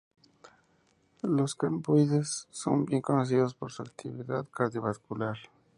Los cannabinoides son bien conocidos por su actividad cardiovascular.